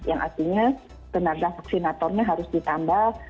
yang artinya tenaga vaksinatornya harus ditambah